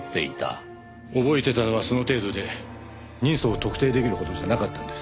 覚えてたのはその程度で人相を特定できるほどじゃなかったんです。